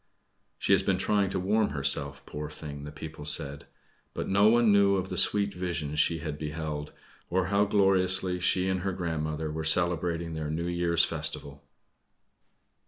"She has been trying to warm herself, poor thing!" the people said; but no one knew of the sweet visions she had beheld, or how gloriously she and her grandmother were celebrating their New Year's festival.